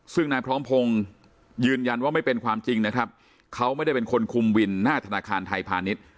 ซึ่งนายพร้อมพงศ์ยืนยันว่าไม่เป็นความจริงนะครับเขาไม่ได้เป็นคนคุมวินหน้าธนาคารไทยพาณิชย์